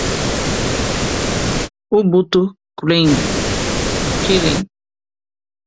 Ubuntu Kylin